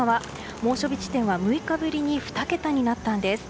猛暑日地点は６日ぶりに１桁になったんです。